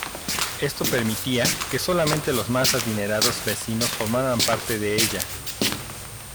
Esto permitía que solamente los más adinerados vecinos formaran parte de ella.